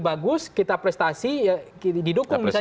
bagus kita prestasi didukung